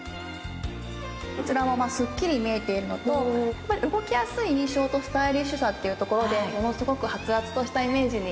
こちらもすっきり見えているのと動きやすい印象とスタイリッシュさというところでものすごくはつらつとしたイメージに。